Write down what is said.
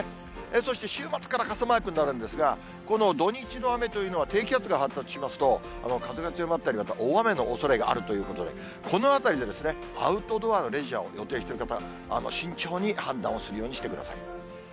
そして週末から傘マークになるんですが、この土日の雨というのは低気圧が発達しますと、風が強まったり、また大雨のおそれがあるということで、このあたりでアウトドアのレジャーを予定している方、慎重に判断をするようにしてください。